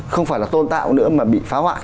không phải là tôn tạo nữa mà bị phá hoại